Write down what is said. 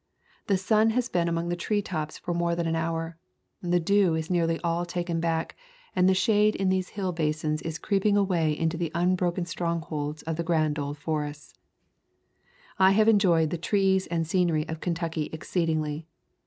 The sun has been among the tree tops for more than an hour; the dew is nearly all taken back, and the shade in these hill basins is creeping away into the unbroken strongholds of the grand old forests. "T have enjoyed the trees and scenery of Kentucky exceedingly.